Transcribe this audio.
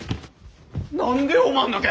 何でおまんだけ！？